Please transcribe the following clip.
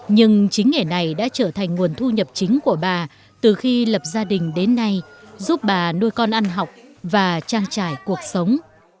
nhưng chính nghề này đã trở thành nguồn thu nhập chính của bà từ khi lập gia đình đến nay giúp bà nuôi con ăn học và trang trải cuộc sống